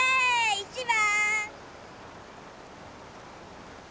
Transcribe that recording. １番！